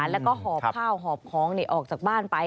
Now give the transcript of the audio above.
แล้วก็หอบข้าวหอบของออกจากบ้านไป